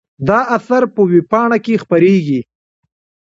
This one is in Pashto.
دا اثر په وېبپاڼه کې خپریږي.